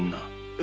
え？